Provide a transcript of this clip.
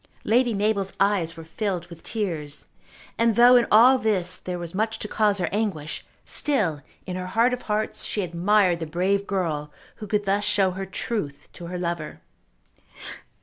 Lady Mabel's eyes were filled with tears, and though in all this there was much to cause her anguish, still in her heart of hearts she admired the brave girl who could thus show her truth to her lover.